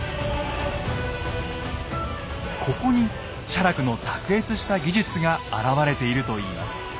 ここに写楽の卓越した技術が表れているといいます。